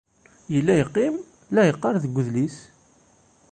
Yella yeqqim la yeqqar deg udlis.